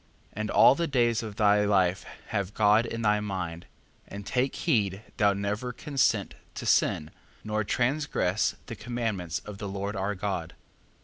4:6. And all the days of thy life have God in thy mind: and take heed thou never consent to sin, nor transgress the commandments of the Lord our God.